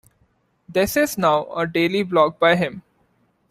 This is now a daily blog by him.